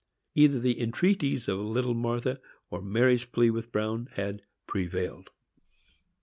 Either the entreaties of little Martha or Mary's plea with Bruin had prevailed.